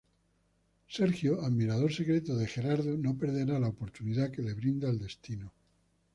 Sergio, admirador secreto de Gerardo, no perderá la oportunidad que le brinda el destino.